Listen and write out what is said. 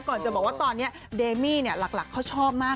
ก่อนจะบอกว่าตอนนี้เดมี่เนี่ยหลักเขาชอบมาก